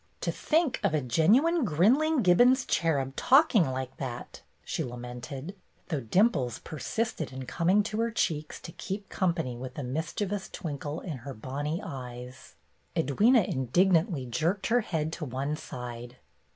"To think of a genuine Grinling Gibbons cherub talking like that!" she lamented, though dimples persisted in coming to her cheeks to keep company with the mischievous twinkle in her bonny eyes. 20 BETTY BAIRD'S GOLDEN YEAR Edwyna indignantly jerked her head to one side.